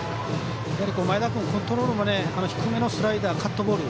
前田君、コントロールも低めのスライダー、カットボール